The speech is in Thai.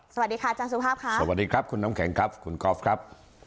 สวัสดีค่ะอาจารย์สุภาพค่ะสวัสดีครับคุณน้ำแข็งครับคุณกอล์ฟครับ